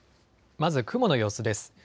まず雲の様子です。